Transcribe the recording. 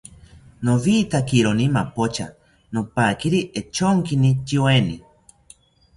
Nowitakironi mapocha, nopaquiri echonkini tyoeni